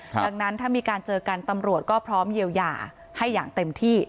ดังนั้นถ้ามีการเจอกันตำรวจก็พร้อมเยียวยาให้อย่างเต็มที่